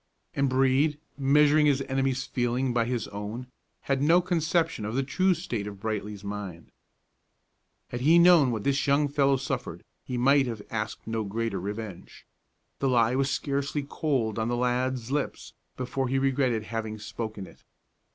And Brede, measuring his enemy's feeling by his own, had no conception of the true state of Brightly's mind. Had he known what this young fellow suffered, he might have asked no greater revenge. The lie was scarcely cold on the lad's lips before he regretted having spoken it.